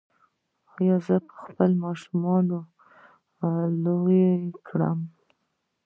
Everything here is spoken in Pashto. ایا زه به خپل ماشومان لوی کړم؟